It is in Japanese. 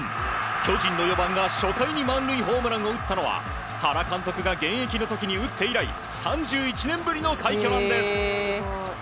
巨人の４番が初回に満塁ホームランを打ったのは原監督が現役の時に打って以来３１年ぶりの快挙なんです。